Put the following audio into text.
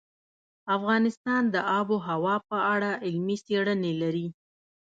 افغانستان د آب وهوا په اړه علمي څېړنې لري.